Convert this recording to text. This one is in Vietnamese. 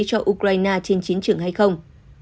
cho ukraine trên chiến trường hay không